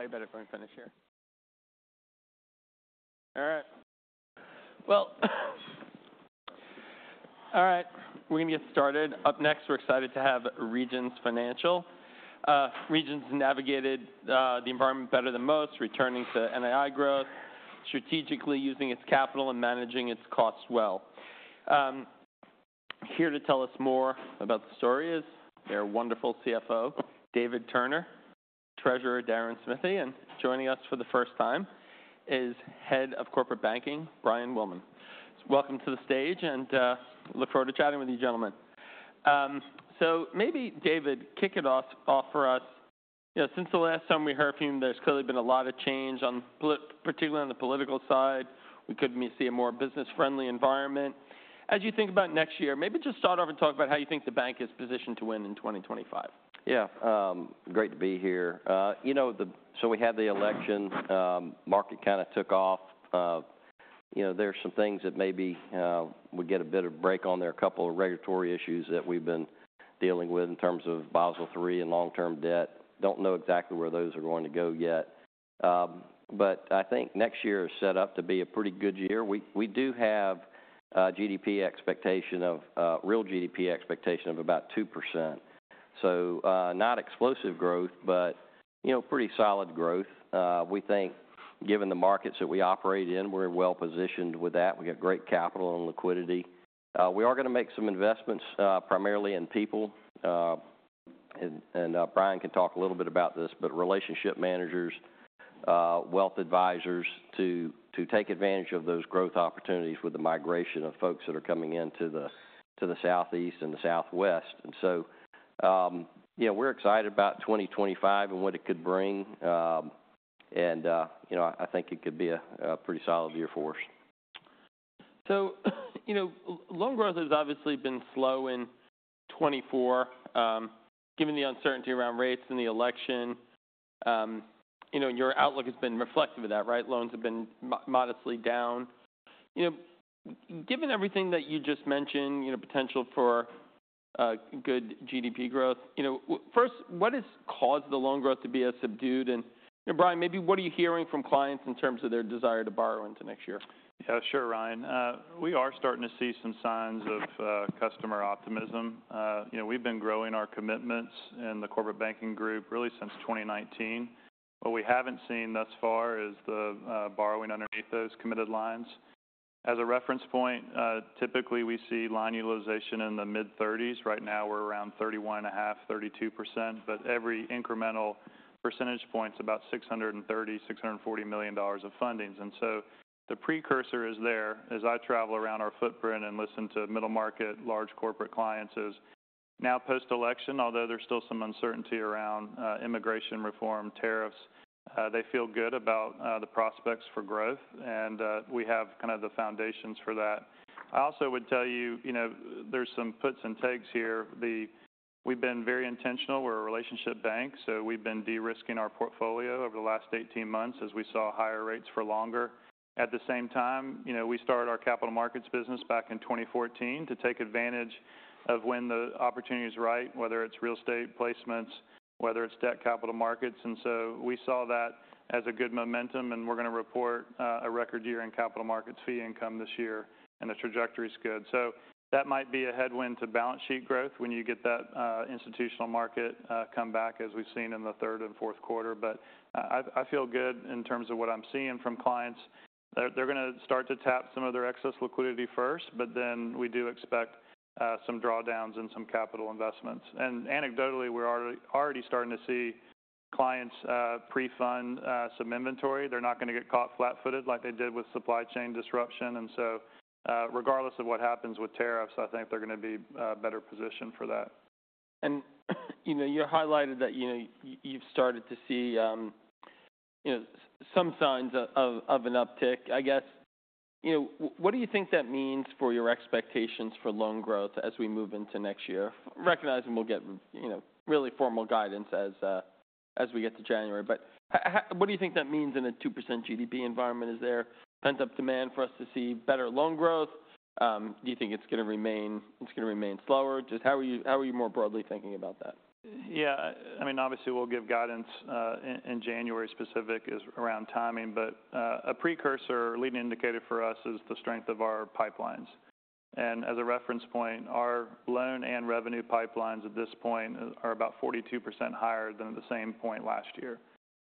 I'll tell you about it when we finish here. All right. Well, all right. We're going to get started. Up next, we're excited to have Regions Financial. Regions navigated the environment better than most, returning to NII growth, strategically using its capital and managing its costs well. Here to tell us more about the story is their wonderful CFO, David Turner, Treasurer Deron Smithy, and joining us for the first time is Head of Corporate Banking, Brian Willman. Welcome to the stage, and look forward to chatting with you, gentlemen. So maybe, David, kick it off for us. Since the last time we heard from you, there's clearly been a lot of change, particularly on the political side. We could see a more business-friendly environment. As you think about next year, maybe just start off and talk about how you think the bank is positioned to win in 2025. Yeah. Great to be here. You know, so we had the election, market kind of took off. There are some things that maybe we get a bit of a break on there, a couple of regulatory issues that we've been dealing with in terms of Basel III and long-term debt. Don't know exactly where those are going to go yet. But I think next year is set up to be a pretty good year. We do have real GDP expectation of about 2%. So not explosive growth, but pretty solid growth. We think, given the markets that we operate in, we're well positioned with that. We have great capital and liquidity. We are going to make some investments, primarily in people. And Brian can talk a little bit about this, but relationship managers, wealth advisors to take advantage of those growth opportunities with the migration of folks that are coming into the Southeast and the Southwest. And so we're excited about 2025 and what it could bring. And I think it could be a pretty solid year for us. So loan growth has obviously been slow in 2024, given the uncertainty around rates and the election. Your outlook has been reflective of that, right? Loans have been modestly down. Given everything that you just mentioned, potential for good GDP growth, first, what has caused the loan growth to be as subdued? And Brian, maybe what are you hearing from clients in terms of their desire to borrow into next year? Yeah, sure, Ryan. We are starting to see some signs of customer optimism. We've been growing our commitments in the corporate banking group really since 2019. What we haven't seen thus far is the borrowing underneath those committed lines. As a reference point, typically we see line utilization in the mid-30s. Right now we're around 31.5%, 32%. But every incremental percentage point is about $630 million, $640 million of fundings. And so the precursor is there. As I travel around our footprint and listen to middle market, large corporate clients, now post-election, although there's still some uncertainty around immigration reform, tariffs, they feel good about the prospects for growth. And we have kind of the foundations for that. I also would tell you there's some puts and takes here. We've been very intentional. We're a relationship bank. So we've been de-risking our portfolio over the last 18 months as we saw higher rates for longer. At the same time, we started our capital markets business back in 2014 to take advantage of when the opportunity is right, whether it's real estate placements, whether it's debt capital markets. And so we saw that as a good momentum. And we're going to report a record year in capital markets fee income this year. And the trajectory is good. So that might be a headwind to balance sheet growth when you get that institutional market come back as we've seen in the third and Q4. But I feel good in terms of what I'm seeing from clients. They're going to start to tap some of their excess liquidity first. But then we do expect some drawdowns in some capital investments. And anecdotally, we're already starting to see clients pre-fund some inventory. They're not going to get caught flat-footed like they did with supply chain disruption. And so regardless of what happens with tariffs, I think they're going to be better positioned for that. You highlighted that you've started to see some signs of an uptick. I guess, what do you think that means for your expectations for loan growth as we move into next year? Recognizing we'll get really formal guidance as we get to January. What do you think that means in a 2% GDP environment? Is there pent-up demand for us to see better loan growth? Do you think it's going to remain slower? Just how are you more broadly thinking about that? Yeah. I mean, obviously, we'll give guidance in January specific around timing. But a precursor, leading indicator for us, is the strength of our pipelines. And as a reference point, our loan and revenue pipelines at this point are about 42% higher than at the same point last year.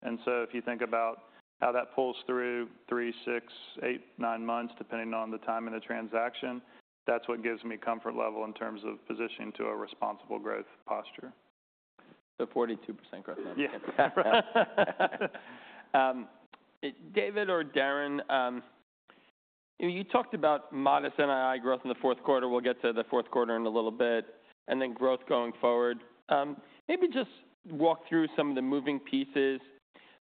And so if you think about how that pulls through three, six, eight, nine months, depending on the time of the transaction, that's what gives me comfort level in terms of positioning to a responsible growth posture. 42% growth. Yeah. David or Deron, you talked about modest NII growth in the Q4. We'll get to the Q4 in a little bit. And then growth going forward. Maybe just walk through some of the moving pieces.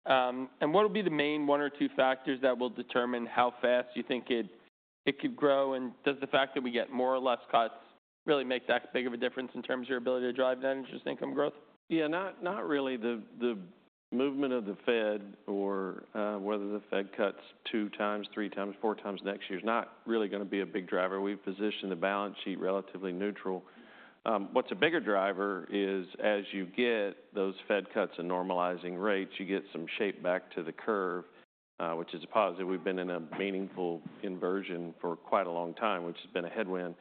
And what will be the main one or two factors that will determine how fast you think it could grow? And does the fact that we get more or less cuts really make that big of a difference in terms of your ability to drive that interest income growth? Yeah, not really. The movement of the Fed or whether the Fed cuts two times, three times, four times next year is not really going to be a big driver. We've positioned the balance sheet relatively neutral. What's a bigger driver is as you get those Fed cuts and normalizing rates, you get some shape back to the curve, which is a positive. We've been in a meaningful inversion for quite a long time, which has been a headwind.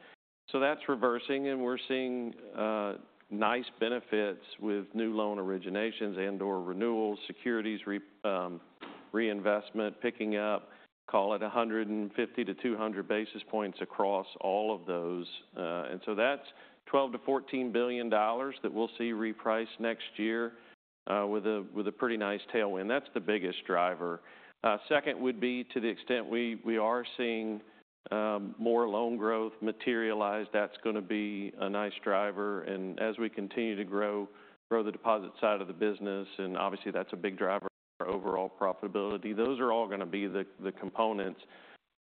So that's reversing. And we're seeing nice benefits with new loan originations and/or renewals, securities, reinvestment picking up, call it 150-200 basis points across all of those. And so that's $12-$14 billion that we'll see repriced next year with a pretty nice tailwind. That's the biggest driver. Second would be to the extent we are seeing more loan growth materialize, that's going to be a nice driver. And as we continue to grow the deposit side of the business, and obviously that's a big driver of our overall profitability, those are all going to be the components.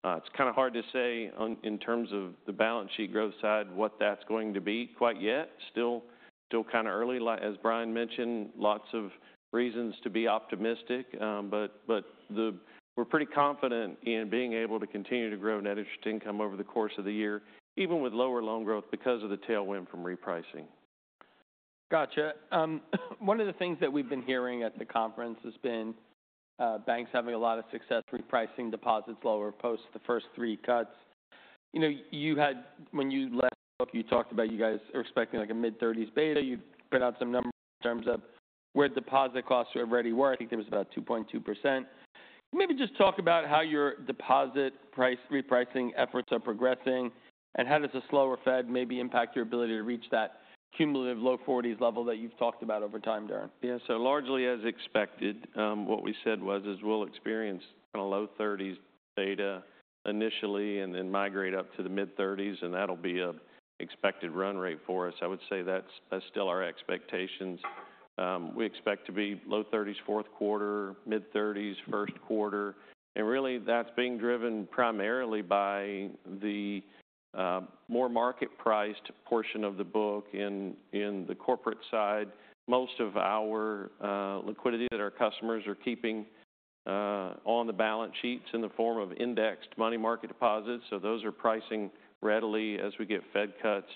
It's kind of hard to say in terms of the balance sheet growth side what that's going to be quite yet. Still kind of early, as Brian mentioned, lots of reasons to be optimistic, but we're pretty confident in being able to continue to grow net interest income over the course of the year, even with lower loan growth because of the tailwind from repricing. Gotcha. One of the things that we've been hearing at the conference has been banks having a lot of success repricing deposits lower post the first three cuts. When you last spoke, you talked about you guys are expecting like a mid-30s beta. You put out some numbers in terms of where deposit costs already were. I think it was about 2.2%. Maybe just talk about how your deposit repricing efforts are progressing. And how does a slower Fed maybe impact your ability to reach that cumulative low-40s level that you've talked about over time, Deron? Yeah. So largely as expected, what we said was we'll experience kind of low 30s beta initially and then migrate up to the mid-30s. And that'll be an expected run rate for us. I would say that's still our expectations. We expect to be low 30s Q4, mid-30s first quarter. And really, that's being driven primarily by the more market-priced portion of the book in the corporate side. Most of our liquidity that our customers are keeping on the balance sheets in the form of indexed money market deposits. So those are pricing readily as we get Fed cuts.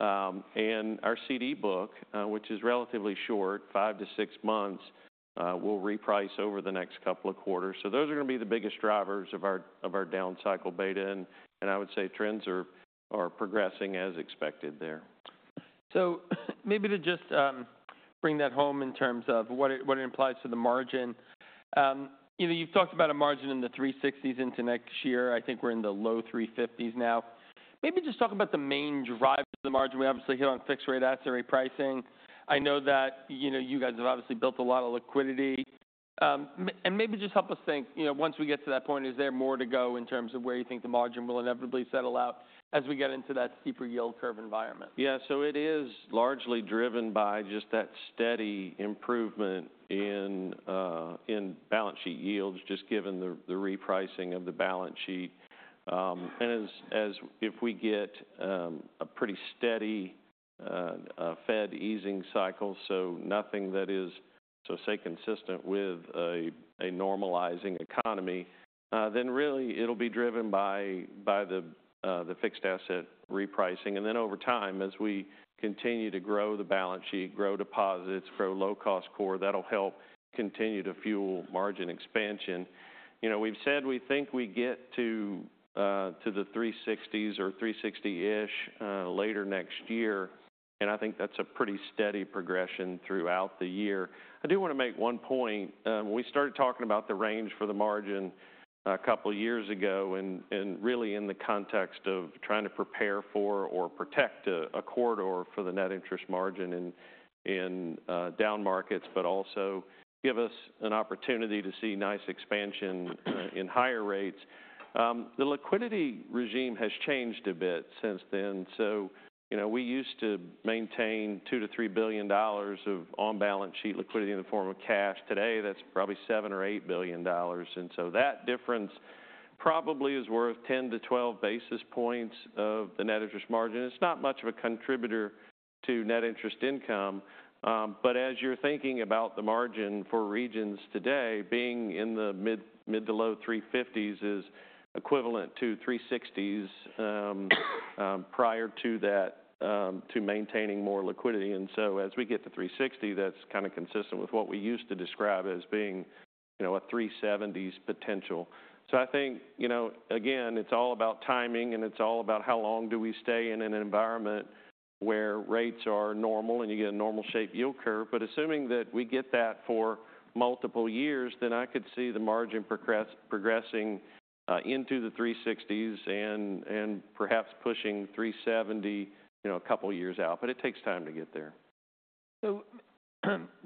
And our CD book, which is relatively short, five to six months, will reprice over the next couple of quarters. So those are going to be the biggest drivers of our down cycle beta. And I would say trends are progressing as expected there. So maybe to just bring that home in terms of what it implies to the margin. You've talked about a margin in the 360s into next year. I think we're in the low 350s now. Maybe just talk about the main drivers of the margin. We obviously hit on fixed rate asset repricing. I know that you guys have obviously built a lot of liquidity. And maybe just help us think, once we get to that point, is there more to go in terms of where you think the margin will inevitably settle out as we get into that steeper yield curve environment? Yeah. So it is largely driven by just that steady improvement in balance sheet yields, just given the repricing of the balance sheet. And if we get a pretty steady Fed easing cycle, so nothing that is, so say, consistent with a normalizing economy, then really it'll be driven by the fixed asset repricing. And then over time, as we continue to grow the balance sheet, grow deposits, grow low-cost core, that'll help continue to fuel margin expansion. We've said we think we get to the 360s or 360-ish later next year. And I think that's a pretty steady progression throughout the year. I do want to make one point. We started talking about the range for the margin a couple of years ago and really in the context of trying to prepare for or protect a corridor for the net interest margin in down markets, but also give us an opportunity to see nice expansion in higher rates. The liquidity regime has changed a bit since then, so we used to maintain $2-$3 billion of on-balance sheet liquidity in the form of cash. Today, that's probably $7 or $8 billion, and so that difference probably is worth 10-12 basis points of the net interest margin. It's not much of a contributor to net interest income, but as you're thinking about the margin for Regions today, being in the mid- to low 350s is equivalent to 360s prior to that to maintaining more liquidity. As we get to 360, that's kind of consistent with what we used to describe as being a 370s potential. I think, again, it's all about timing. It's all about how long do we stay in an environment where rates are normal and you get a normal-shaped yield curve. Assuming that we get that for multiple years, then I could see the margin progressing into the 360s and perhaps pushing 370 a couple of years out. It takes time to get there. So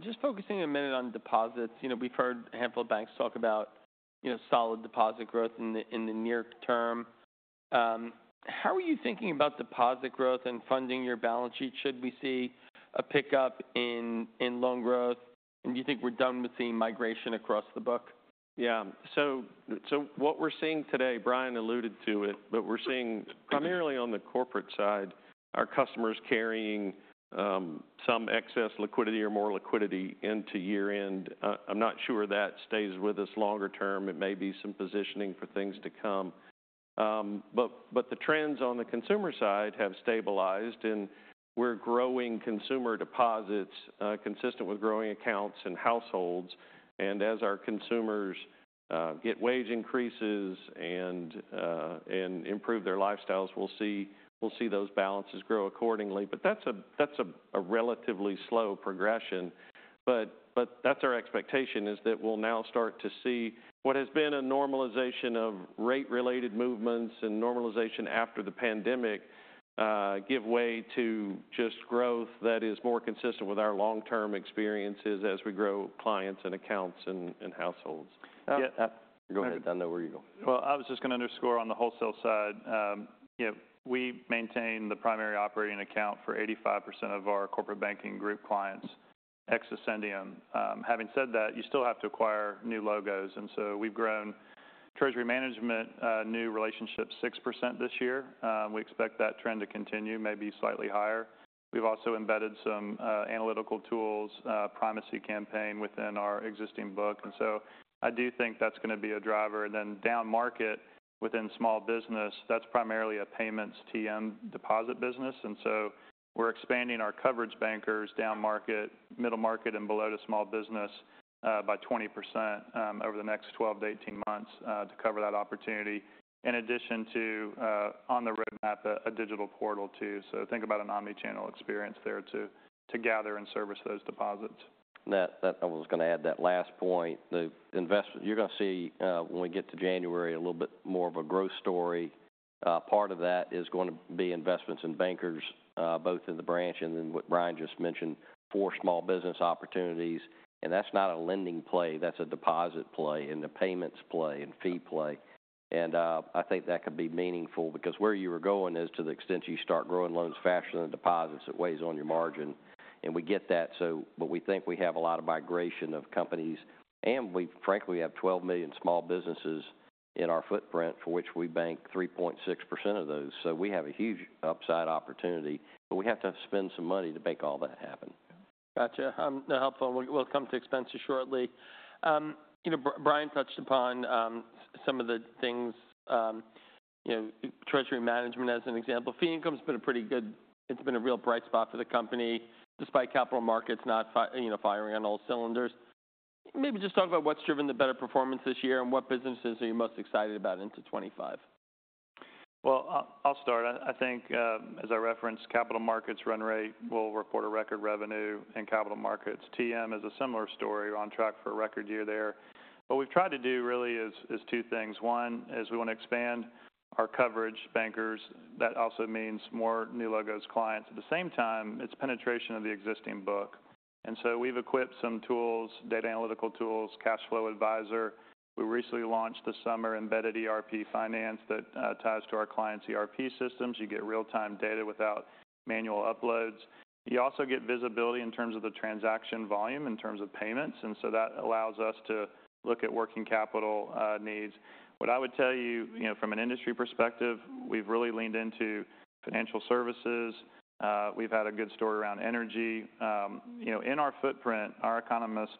just focusing a minute on deposits. We've heard a handful of banks talk about solid deposit growth in the near term. How are you thinking about deposit growth and funding your balance sheet? Should we see a pickup in loan growth? And do you think we're done with the migration across the book? Yeah. So what we're seeing today, Brian alluded to it, but we're seeing primarily on the corporate side, our customers carrying some excess liquidity or more liquidity into year-end. I'm not sure that stays with us longer term. It may be some positioning for things to come. But the trends on the consumer side have stabilized. And we're growing consumer deposits consistent with growing accounts and households. And as our consumers get wage increases and improve their lifestyles, we'll see those balances grow accordingly. But that's a relatively slow progression. But that's our expectation, is that we'll now start to see what has been a normalization of rate-related movements and normalization after the pandemic give way to just growth that is more consistent with our long-term experiences as we grow clients and accounts and households. Yeah. Go ahead, Deron. Where are you going? I was just going to underscore on the wholesale side. We maintain the primary operating account for 85% of our corporate banking group clients, ex Ascentium. Having said that, you still have to acquire new logos. And so we've grown treasury management new relationships 6% this year. We expect that trend to continue, maybe slightly higher. We've also embedded some analytical tools, primary campaign within our existing book. And so I do think that's going to be a driver. And then down market within small business, that's primarily a payments TM deposit business. And so we're expanding our coverage bankers down market, middle market, and below to small business by 20% over the next 12-18 months to cover that opportunity, in addition to on the roadmap, a digital portal too. So think about an omnichannel experience there to gather and service those deposits. I was going to add that last point. You're going to see when we get to January a little bit more of a growth story. Part of that is going to be investments in bankers, both in the branch and then what Brian just mentioned, for small business opportunities. And that's not a lending play. That's a deposit play and a payments play and fee play. And I think that could be meaningful because where you were going is to the extent you start growing loans faster than deposits, it weighs on your margin. And we get that. But we think we have a lot of migration of companies. And we, frankly, have 12 million small businesses in our footprint for which we bank 3.6% of those. So we have a huge upside opportunity. But we have to spend some money to make all that happen. Gotcha. That's helpful. We'll come to expenses shortly. Brian touched upon some of the things, treasury management as an example. Fee income has been a pretty good, it's been a real bright spot for the company despite capital markets not firing on all cylinders. Maybe just talk about what's driven the better performance this year and what businesses are you most excited about into 2025? I'll start. I think as I referenced, capital markets run rate, we'll report a record revenue in capital markets. TM is a similar story. We're on track for a record year there. What we've tried to do really is two things. One is we want to expand our coverage bankers. That also means more new logos clients. At the same time, it's penetration of the existing book. And so we've equipped some tools, data analytical tools, CashFlow Advisor. We recently launched this summer Embedded ERP Finance that ties to our clients' ERP systems. You get real-time data without manual uploads. You also get visibility in terms of the transaction volume, in terms of payments. And so that allows us to look at working capital needs. What I would tell you from an industry perspective, we've really leaned into financial services. We've had a good story around energy. In our footprint, our economist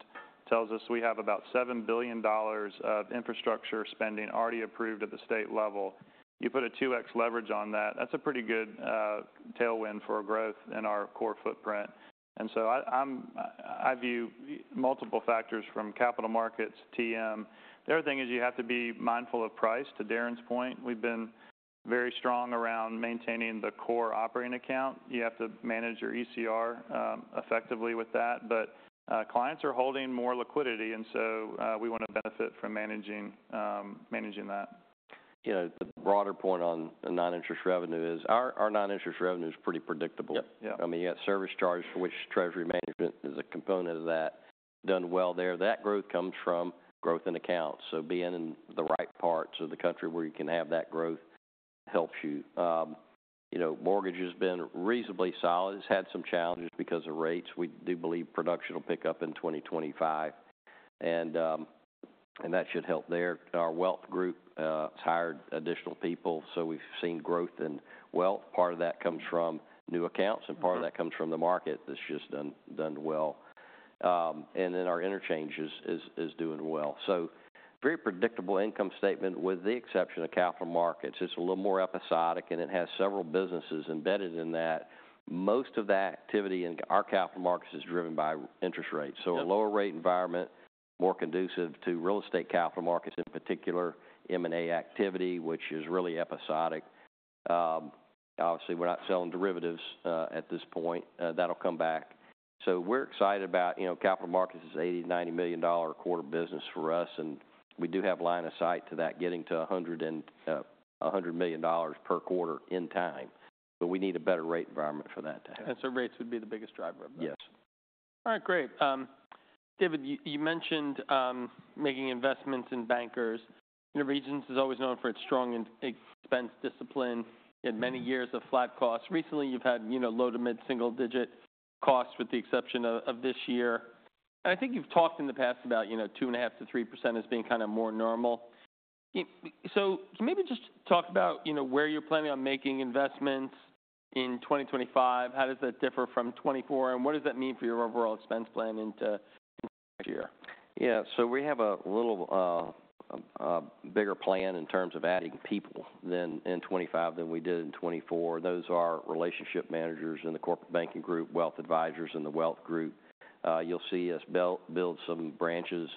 tells us we have about $7 billion of infrastructure spending already approved at the state level. You put a 2x leverage on that. That's a pretty good tailwind for growth in our core footprint, and so I view multiple factors from capital markets, TM. The other thing is you have to be mindful of price. To Deron's point, we've been very strong around maintaining the core operating account. You have to manage your ECR effectively with that, but clients are holding more liquidity, and so we want to benefit from managing that. The broader point on non-interest revenue is our non-interest revenue is pretty predictable. I mean, you got service charge for which treasury management is a component of that. Done well there. That growth comes from growth in accounts, so being in the right parts of the country where you can have that growth helps you. Mortgage has been reasonably solid. It's had some challenges because of rates. We do believe production will pick up in 2025, and that should help there. Our wealth group has hired additional people, so we've seen growth in wealth. Part of that comes from new accounts, and part of that comes from the market that's just done well, and then our interchange is doing well, so very predictable income statement with the exception of capital markets. It's a little more episodic, and it has several businesses embedded in that. Most of that activity in our capital markets is driven by interest rates. So a lower rate environment, more conducive to real estate capital markets in particular, M&A activity, which is really episodic. Obviously, we're not selling derivatives at this point. That'll come back. So we're excited about capital markets is $80-$90 million quarter business for us. And we do have line of sight to that getting to $100 million per quarter in time. But we need a better rate environment for that to happen. Rates would be the biggest driver of that. Yes. All right. Great. David, you mentioned making investments in bankers. Regions is always known for its strong expense discipline. You had many years of flat costs. Recently, you've had low- to mid-single-digit costs with the exception of this year. And I think you've talked in the past about 2.5%-3% as being kind of more normal. So maybe just talk about where you're planning on making investments in 2025. How does that differ from 2024? And what does that mean for your overall expense plan into next year? Yeah. So we have a little bigger plan in terms of adding people in 2025 than we did in 2024. Those are relationship managers in the corporate banking group, wealth advisors in the wealth group. You'll see us build some branches.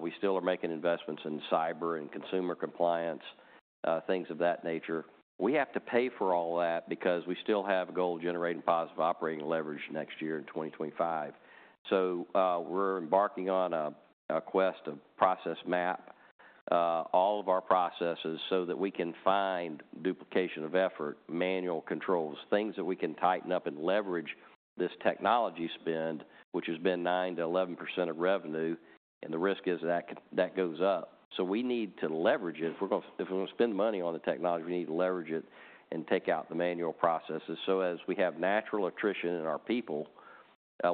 We still are making investments in cyber and consumer compliance, things of that nature. We have to pay for all that because we still have goal-generating positive operating leverage next year in 2025. So we're embarking on a quest to process map all of our processes so that we can find duplication of effort, manual controls, things that we can tighten up and leverage this technology spend, which has been 9%-11% of revenue. And the risk is that that goes up. So we need to leverage it. If we're going to spend money on the technology, we need to leverage it and take out the manual processes. So as we have natural attrition in our people,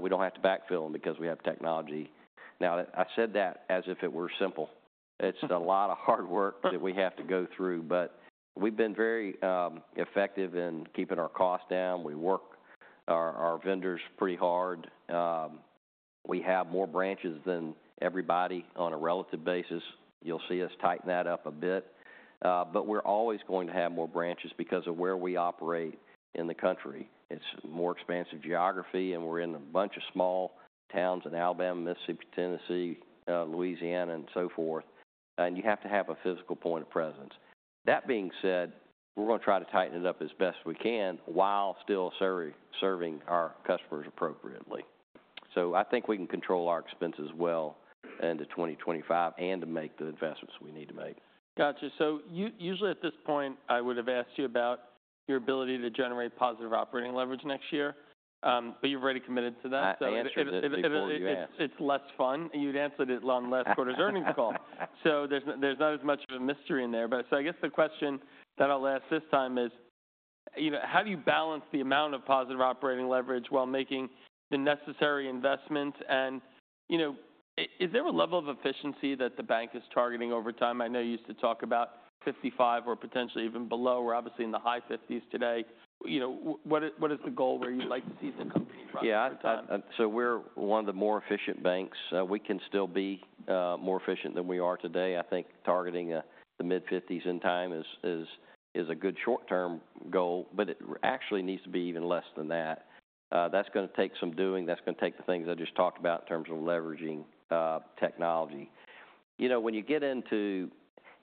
we don't have to backfill them because we have technology. Now, I said that as if it were simple. It's a lot of hard work that we have to go through. But we've been very effective in keeping our costs down. We work our vendors pretty hard. We have more branches than everybody on a relative basis. You'll see us tighten that up a bit. But we're always going to have more branches because of where we operate in the country. It's a more expansive geography. And we're in a bunch of small towns in Alabama, Mississippi, Tennessee, Louisiana, and so forth. And you have to have a physical point of presence. That being said, we're going to try to tighten it up as best we can while still serving our customers appropriately. So I think we can control our expenses well into 2025 and to make the investments we need to make. Gotcha, so usually at this point, I would have asked you about your ability to generate positive operating leverage next year. But you've already committed to that. I answered it before. It's less fun. You'd answered it on last quarter's earnings call. So there's not as much of a mystery in there. But so I guess the question that I'll ask this time is, how do you balance the amount of positive operating leverage while making the necessary investments? And is there a level of efficiency that the bank is targeting over time? I know you used to talk about 55 or potentially even below. We're obviously in the high 50s today. What is the goal where you'd like to see the company run over time? Yeah. So we're one of the more efficient banks. We can still be more efficient than we are today. I think targeting the mid 50s in time is a good short-term goal. But it actually needs to be even less than that. That's going to take some doing. That's going to take the things I just talked about in terms of leveraging technology. When you get into,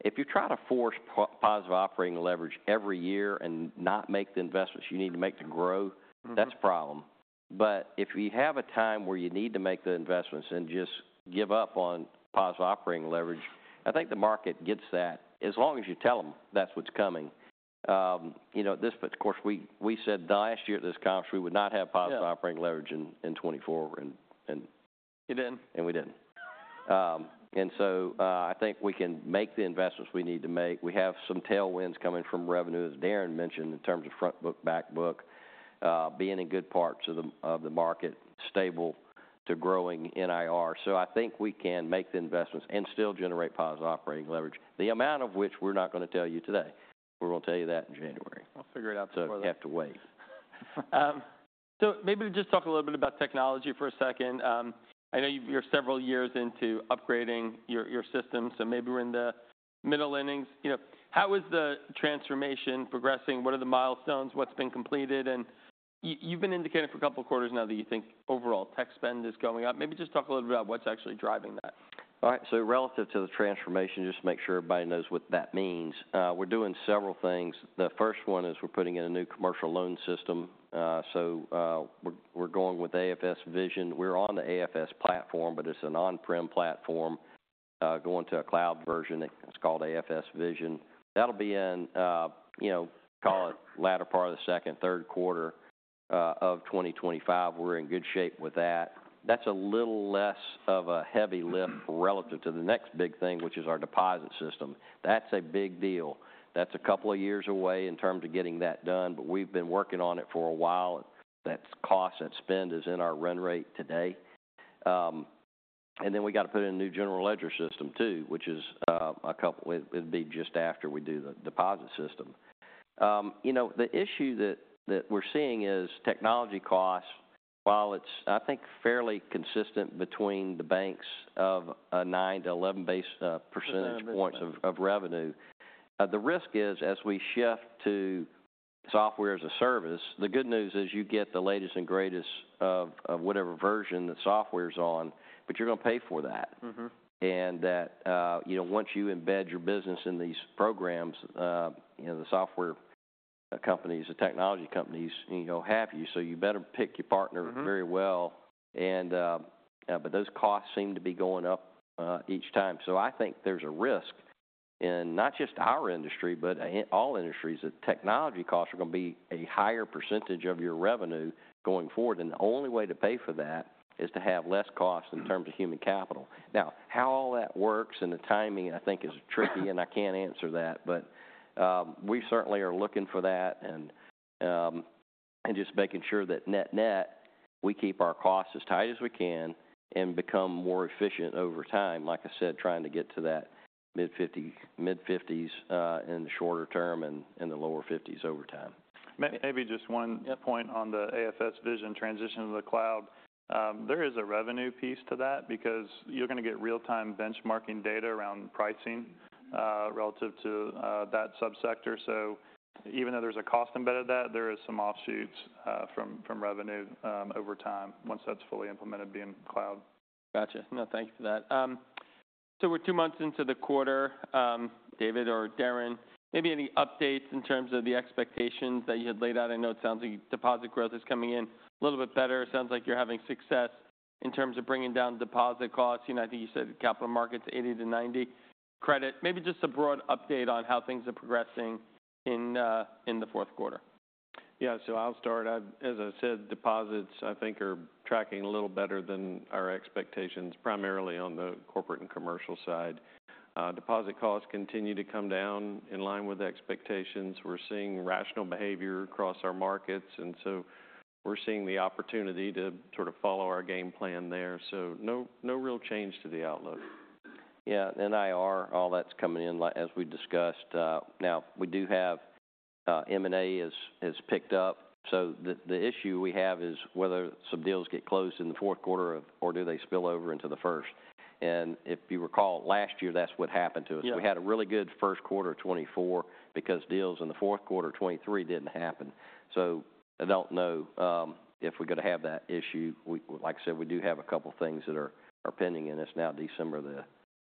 if you try to force positive operating leverage every year and not make the investments you need to make to grow, that's a problem. But if you have a time where you need to make the investments and just give up on positive operating leverage, I think the market gets that as long as you tell them that's what's coming. But of course, we said last year at this conference we would not have positive operating leverage in 2024. You didn't? And we didn't. And so I think we can make the investments we need to make. We have some tailwinds coming from revenue, as Deron mentioned, in terms of front book, back book, being in good parts of the market, stable to growing NIR. So I think we can make the investments and still generate positive operating leverage, the amount of which we're not going to tell you today. We're going to tell you that in January. I'll figure it out for you. So you have to wait. So maybe to just talk a little bit about technology for a second. I know you're several years into upgrading your system. So maybe we're in the middle innings. How is the transformation progressing? What are the milestones? What's been completed? And you've been indicating for a couple of quarters now that you think overall tech spend is going up. Maybe just talk a little bit about what's actually driving that. All right, so relative to the transformation, just to make sure everybody knows what that means, we're doing several things. The first one is we're putting in a new commercial loan system. So we're going with AFS Vision. We're on the AFS platform, but it's an on-prem platform going to a cloud version. It's called AFS Vision. That'll be in, call it latter part of the second, Q3 of 2025. We're in good shape with that. That's a little less of a heavy lift relative to the next big thing, which is our deposit system. That's a big deal. That's a couple of years away in terms of getting that done. But we've been working on it for a while. That cost, that spend is in our run rate today. And then we got to put in a new general ledger system too, which is a couple. It'd be just after we do the deposit system. The issue that we're seeing is technology costs, while it's, I think, fairly consistent between the banks of 9-11 basis points of revenue. The risk is as we shift to software as a service, the good news is you get the latest and greatest of whatever version the software's on. But you're going to pay for that. And that once you embed your business in these programs, the software companies, the technology companies have you. So you better pick your partner very well. And but those costs seem to be going up each time. So I think there's a risk in not just our industry, but all industries, that technology costs are going to be a higher percentage of your revenue going forward. And the only way to pay for that is to have less costs in terms of human capital. Now, how all that works and the timing, I think, is tricky. And I can't answer that. But we certainly are looking for that and just making sure that net net, we keep our costs as tight as we can and become more efficient over time. Like I said, trying to get to that mid-50s in the shorter term and the lower 50s over time. Maybe just one point on the AFS Vision transition to the cloud. There is a revenue piece to that because you're going to get real-time benchmarking data around pricing relative to that subsector. So even though there's a cost embedded to that, there are some offshoots from revenue over time once that's fully implemented being cloud. Gotcha. No, thank you for that. So we're two months into the quarter. David or Deron, maybe any updates in terms of the expectations that you had laid out? I know it sounds like deposit growth is coming in a little bit better. It sounds like you're having success in terms of bringing down deposit costs. I think you said capital markets 80-90 credit. Maybe just a broad update on how things are progressing in the Q4. Yeah, so I'll start. As I said, deposits, I think, are tracking a little better than our expectations, primarily on the corporate and commercial side. Deposit costs continue to come down in line with expectations. We're seeing rational behavior across our markets, and so we're seeing the opportunity to sort of follow our game plan there, so no real change to the outlook. Yeah. NIR, all that's coming in as we discussed. Now, we do have M&A has picked up. So the issue we have is whether some deals get closed in the Q4 or do they spill over into the first and if you recall, last year, that's what happened to us. We had a really good first quarter of 2024 because deals in the Q4 of 2023 didn't happen. So I don't know if we're going to have that issue. Like I said, we do have a couple of things that are pending with us now, December the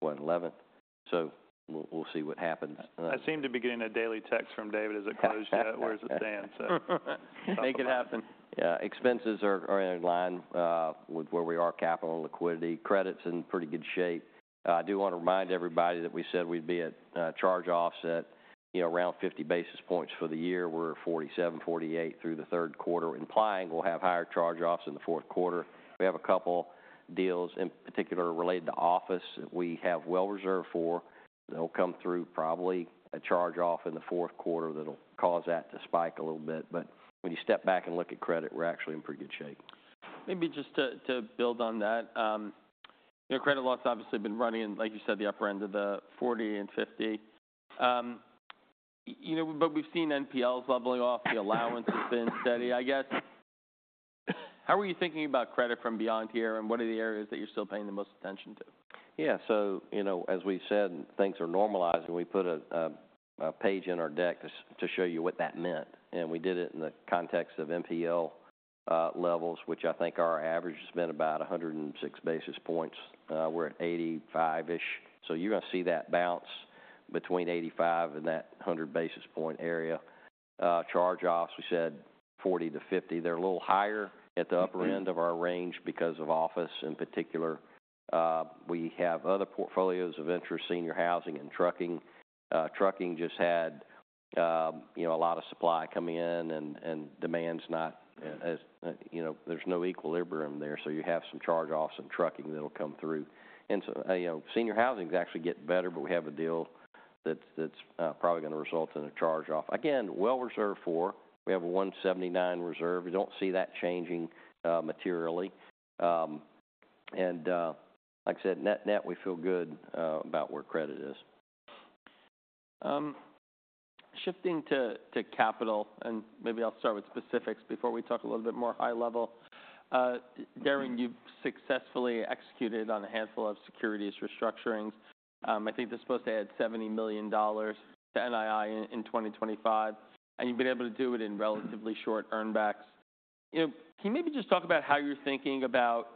11th. So we'll see what happens. I seem to be getting a daily text from David. Is it closed yet? Where's it stand? Make it happen. Yeah. Expenses are in line with where we are, capital and liquidity. Credit's in pretty good shape. I do want to remind everybody that we said we'd be at charge-offs around 50 basis points for the year. We're 47, 48 through the Q3, implying we'll have higher charge-offs in the Q4. We have a couple of deals, in particular related to office, that we have well reserved for. They'll come through probably a charge-off in the Q4 that'll cause that to spike a little bit. But when you step back and look at credit, we're actually in pretty good shape. Maybe just to build on that, credit loss obviously been running in, like you said, the upper end of the 40 and 50. But we've seen NPLs leveling off. The allowance has been steady. I guess how are you thinking about credit from beyond here? And what are the areas that you're still paying the most attention to? Yeah. So as we said, things are normalizing. We put a page in our deck to show you what that meant. And we did it in the context of NPL levels, which I think our average has been about 106 basis points. We're at 85-ish. So you're going to see that bounce between 85 and that 100 basis point area. Charge offs, we said 40-50. They're a little higher at the upper end of our range because of office in particular. We have other portfolios of interest, senior housing and trucking. Trucking just had a lot of supply coming in and demand's not. There's no equilibrium there. So you have some charge offs in trucking that'll come through. And senior housing is actually getting better. But we have a deal that's probably going to result in a charge off. Again, well reserved for. We have a 179 reserve. You don't see that changing materially, and like I said, net net, we feel good about where credit is. Shifting to capital. And maybe I'll start with specifics before we talk a little bit more high level. Deron, you've successfully executed on a handful of securities restructurings. I think they're supposed to add $70 million to NII in 2025. And you've been able to do it in relatively short earnbacks. Can you maybe just talk about how you're thinking about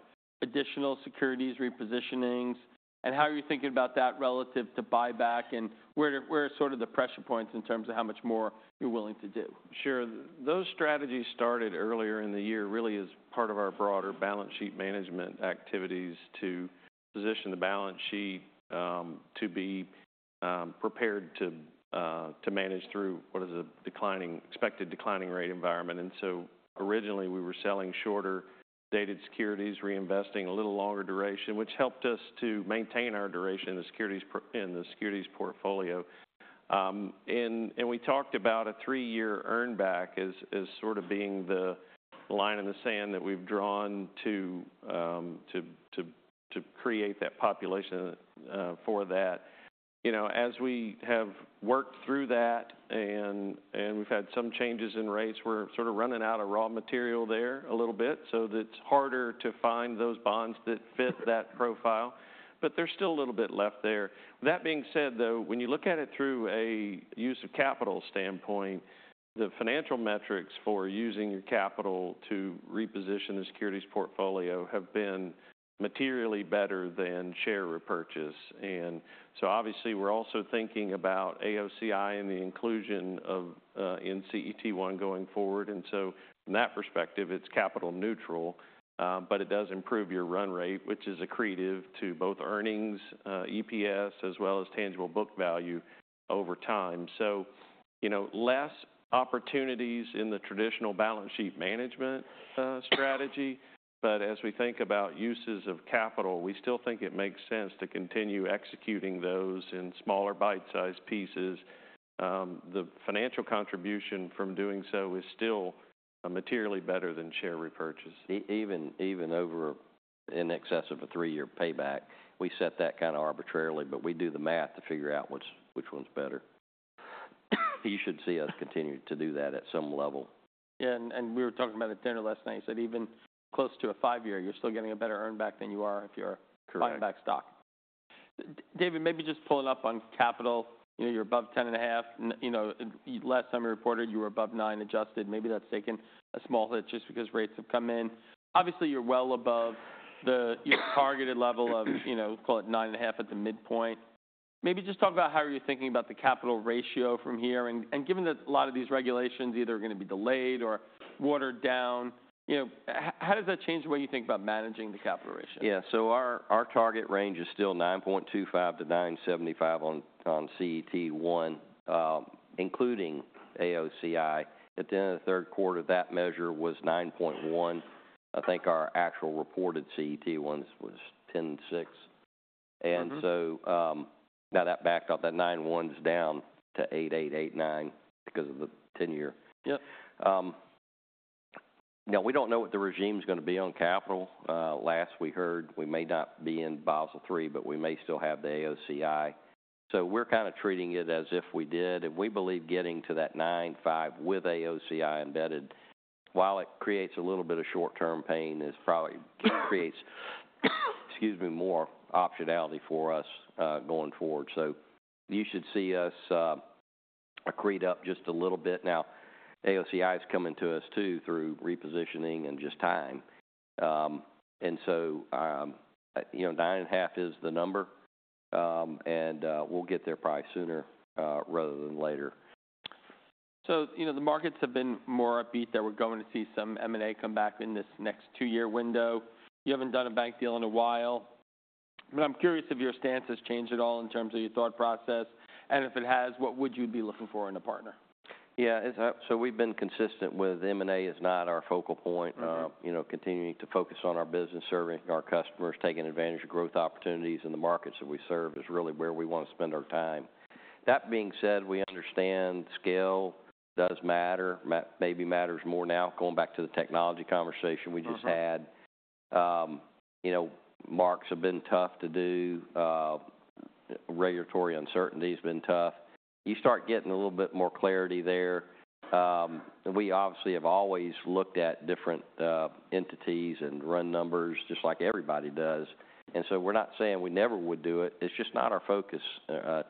additional securities, repositionings, and how you're thinking about that relative to buyback? And where are sort of the pressure points in terms of how much more you're willing to do? Sure. Those strategies started earlier in the year really as part of our broader balance sheet management activities to position the balance sheet to be prepared to manage through what is a declining, expected declining rate environment. And so originally, we were selling shorter dated securities, reinvesting a little longer duration, which helped us to maintain our duration in the securities portfolio. And we talked about a three-year earnback as sort of being the line in the sand that we've drawn to create that population for that. As we have worked through that and we've had some changes in rates, we're sort of running out of raw material there a little bit. So it's harder to find those bonds that fit that profile. But there's still a little bit left there. That being said, though, when you look at it through a use of capital standpoint, the financial metrics for using your capital to reposition the securities portfolio have been materially better than share repurchase, and so obviously, we're also thinking about AOCI and the inclusion in CET1 going forward, and so from that perspective, it's capital neutral, but it does improve your run rate, which is accretive to both earnings, EPS, as well as tangible book value over time, so less opportunities in the traditional balance sheet management strategy, but as we think about uses of capital, we still think it makes sense to continue executing those in smaller bite-sized pieces. The financial contribution from doing so is still materially better than share repurchase. Even over in excess of a three-year payback, we set that kind of arbitrarily. But we do the math to figure out which one's better. You should see us continue to do that at some level. Yeah. And we were talking about it, Deron, last night. You said even close to a five-year, you're still getting a better earnback than you are if you're a buyback stock. David, maybe just pulling up on capital. You're above 10 and a half. Last time we reported, you were above 9 adjusted. Maybe that's taken a small hit just because rates have come in. Obviously, you're well above your targeted level of, call it 9 and a half at the midpoint. Maybe just talk about how you're thinking about the capital ratio from here. And given that a lot of these regulations either are going to be delayed or watered down, how does that change the way you think about managing the capital ratio? Yeah. So our target range is still 9.25%-9.75% on CET1, including AOCI. At the end of the Q3, that measure was 9.1%. I think our actual reported CET1 was 10.6%. And so now that backed off. That 9.1% is down to 8.8%-8.9% because of the 10-year. Now, we don't know what the regime's going to be on capital. Last we heard, we may not be in Basel III, but we may still have the AOCI. So we're kind of treating it as if we did. And we believe getting to that 9.5% with AOCI embedded, while it creates a little bit of short-term pain, it probably creates, excuse me, more optionality for us going forward. So you should see us accrete up just a little bit. Now, AOCI is coming to us too through repositioning and just time. 9.5 is the number. We'll get there probably sooner rather than later. So the markets have been more upbeat that we're going to see some M&A come back in this next two-year window. You haven't done a bank deal in a while. But I'm curious if your stance has changed at all in terms of your thought process. And if it has, what would you be looking for in a partner? Yeah. So we've been consistent with M&A is not our focal point. Continuing to focus on our business, serving our customers, taking advantage of growth opportunities in the markets that we serve is really where we want to spend our time. That being said, we understand scale does matter. Maybe matters more now going back to the technology conversation we just had. M&A's have been tough to do. Regulatory uncertainty has been tough. You start getting a little bit more clarity there. We obviously have always looked at different entities and run numbers just like everybody does. And so we're not saying we never would do it. It's just not our focus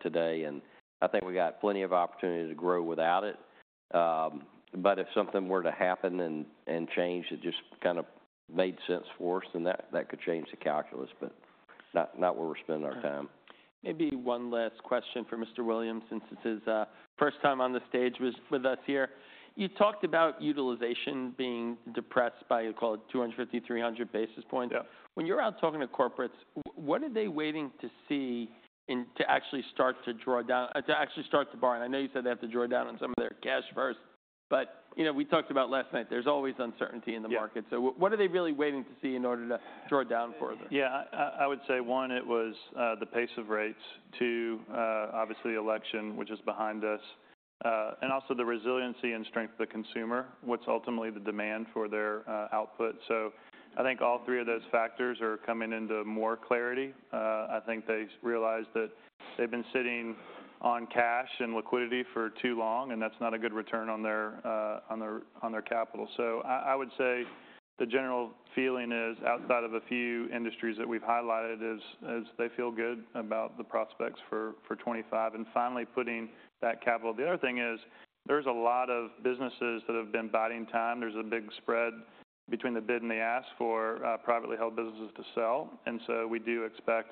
today. And I think we got plenty of opportunity to grow without it. But if something were to happen and change that just kind of made sense for us, then that could change the calculus. But not where we're spending our time. Maybe one last question for Mr. Willman since it's his first time on the stage with us here. You talked about utilization being depressed by, call it, 250, 300 basis points. When you're out talking to corporates, what are they waiting to see to actually start to draw down, to actually start to borrow? And I know you said they have to draw down on some of their cash first. But we talked about last night, there's always uncertainty in the market. So what are they really waiting to see in order to draw down further? Yeah. I would say one, it was the pace of rates. Two, obviously, election, which is behind us. And also the resiliency and strength of the consumer, what's ultimately the demand for their output. So I think all three of those factors are coming into more clarity. I think they realize that they've been sitting on cash and liquidity for too long. And that's not a good return on their capital. So I would say the general feeling is outside of a few industries that we've highlighted is they feel good about the prospects for 2025 and finally putting that capital. The other thing is there's a lot of businesses that have been biding time. There's a big spread between the bid and the ask for privately held businesses to sell. And so we do expect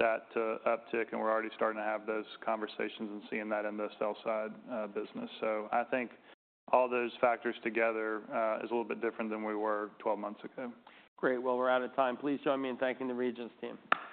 that to uptick. And we're already starting to have those conversations and seeing that in the sell-side business. So I think all those factors together is a little bit different than we were 12 months ago. Great. Well, we're out of time. Please join me in thanking the Regions team.